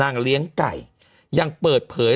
มันติดคุกออกไปออกมาได้สองเดือน